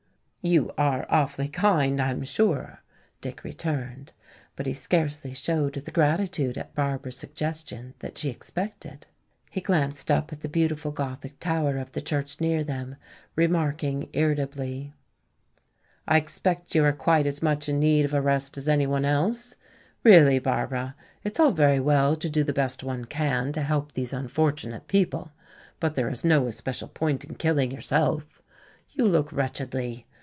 "You are awfully kind, I am sure," Dick returned. But he scarcely showed the gratitude at Barbara's suggestion that she expected. He glanced up at the beautiful Gothic tower of the church near them, remarking irritably, "I expect you are quite as much in need of a rest as any one else. Really, Barbara, it is all very well to do the best one can to help these unfortunate people, but there is no especial point in killing yourself. You look wretchedly.